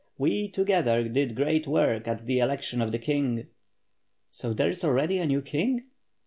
We together did great work at the election of the king." "So there is already a new King?"